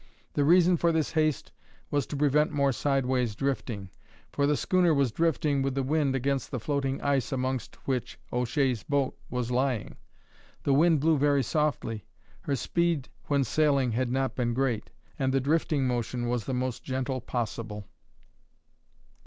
The reason for this haste was to prevent more sideways drifting, for the schooner was drifting with the wind against the floating ice amongst which O'Shea's boat was lying. The wind blew very softly; her speed when sailing had not been great, and the drifting motion was the most gentle possible.